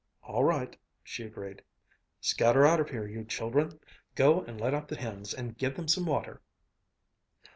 "All right," she agreed. "Scatter out of here, you children! Go and let out the hens, and give them some water!"